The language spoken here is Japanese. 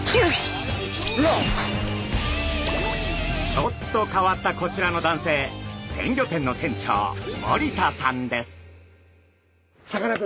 ちょっと変わったこちらの男性鮮魚店の店長森田さんです。